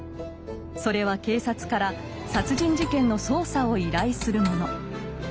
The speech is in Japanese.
それは警察から殺人事件の捜査を依頼するもの。